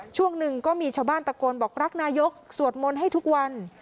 ช่วงหนึ่งก็มีชาวบ้านตะโกนบอกรักนายกสวดมนต์ให้ทุกวัน